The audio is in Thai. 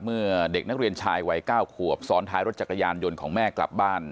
เมื่อเด็กนักเรียนชายวัย๙ขวบซ้อนท้ายรถจักรยานยนต์ของแม่กลับบ้าน